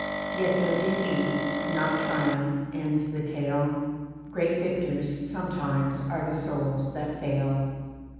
Yet though defeat, not triumph, ends the tale, Great victors sometimes are the souls that fail.